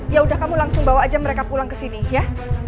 yaudah kamu langsung bawa aja mereka pulang kesini ya